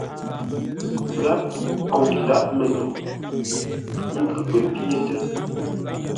Gháp kôŋ ndáʼ məno, ngʉ́ pə pyétə́.